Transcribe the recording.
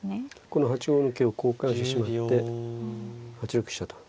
この８五の桂を交換してしまって８六飛車と。